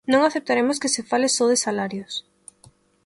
Non aceptaremos que se fale só de salarios.